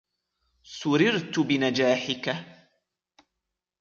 سُرِرتُ بنجاحِكَ.